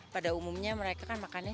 pada umumnya mereka kan makannya